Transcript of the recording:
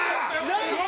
ナイス！